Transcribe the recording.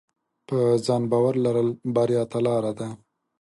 په ځان باور لرل بریا ته لار ده.